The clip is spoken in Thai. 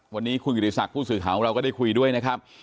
วันนี้คุณกิติศักดิ์ผู้สื่อข่าวของเราก็ได้คุยด้วยนะครับ